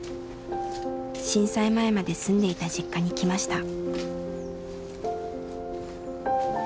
震災前まで住んでいた実家に来ました。